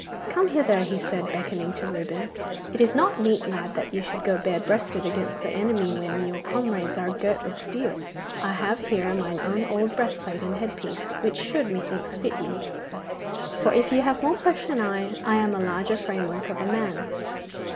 'Come hither,' said he, beckoning to Reuben. 'It is not meet, lad, that you should go bare breasted against the enemy when your comrades are girt with steel. I have here mine own old breastplate and head piece, which should, methinks, fit you, for if you have more flesh than I, I am a larger framework of a man.